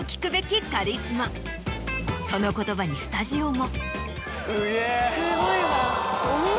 その言葉にスタジオも。